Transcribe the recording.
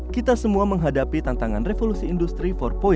kita semua menghadapi tantangan revolusi industri empat